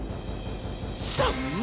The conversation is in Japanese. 「３！